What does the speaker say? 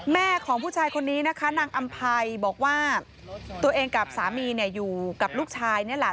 แม่ของผู้ชายคนนี้นะคะนางอำภัยบอกว่าตัวเองกับสามีเนี่ยอยู่กับลูกชายนี่แหละ